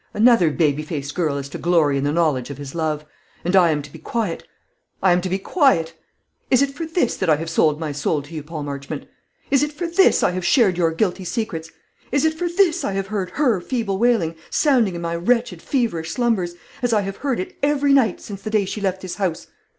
Another baby faced girl is to glory in the knowledge of his love; and I am to be quiet I am to be quiet. Is it for this that I have sold my soul to you, Paul Marchmont? Is it for this I have shared your guilty secrets? Is it for this I have heard her feeble wailing sounding in my wretched feverish slumbers, as I have heard it every night, since the day she left this house?